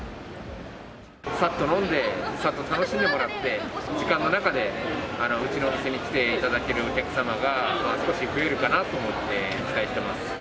さっと飲んで、さっと楽しんでもらって、時間の中でうちのお店に来ていただけるお客様が、少し増えるかなと思って、期待しています。